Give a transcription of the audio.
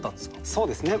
そうですね。